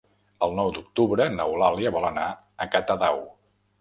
El nou d'octubre n'Eulàlia vol anar a Catadau.